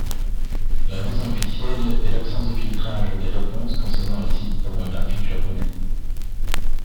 La raison officielle est l'absence de filtrage des réponses concernant les sites pornographiques japonais.